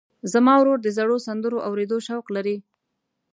زما ورور د زړو سندرو اورېدو شوق لري.